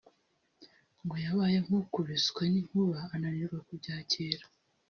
ngo yabaye nk’ukubiswe n’inkuba ananirwa kubyakira